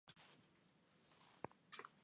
大概拍了三十分钟照